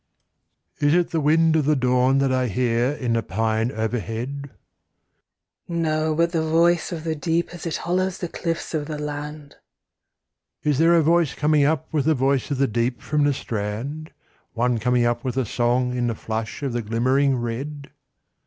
Is it the wind of the dawn that I hear in the pine overhead ? 2. No ; but the voice of the deep as it hollows the cliffs of the land. 1. Is there a voice coming up with the voice of the deep from the strand. One coming up with a song in the flush of the glimmering red